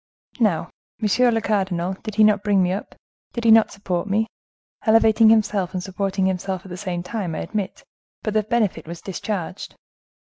Now, monsieur le cardinal, did he not bring me up, did he not support me?—elevating himself and supporting himself at the same time, I admit; but the benefit was discharged.